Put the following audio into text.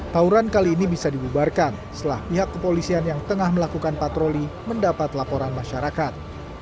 tauran kali ini bisa dibubarkan setelah pihak kepolisian yang tengah melakukan patroli mendapat laporan masyarakat